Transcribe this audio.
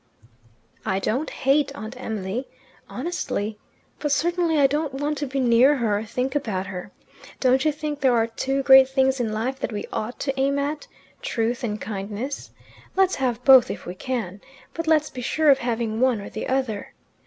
"I don't hate Aunt Emily. Honestly. But certainly I don't want to be near her or think about her. Don't you think there are two great things in life that we ought to aim at truth and kindness? Let's have both if we can, but let's be sure of having one or the other.